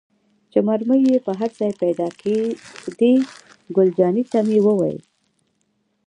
چې مرمۍ یې هر ځای پيدا کېدې، ګل جانې ته مې وویل.